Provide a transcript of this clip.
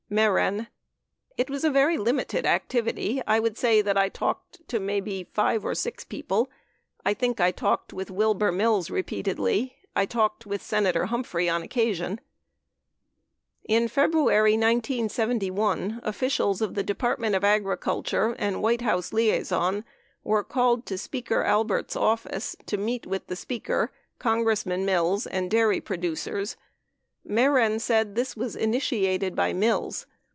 Mehren. It was a very limited activity ... I would say that I talked maybe to five or six people ... I think I talked with Wilbur Mills repeatedly ... I talked with Senator Humphrey on occasion. .., 10 In February, 1971, officials of the Department of Agriculture and White House iiaison were called to Speaker Albert's office to meet with the Speaker, Congressman Mills and dairy producers. Mehren said this was initiated by Mills.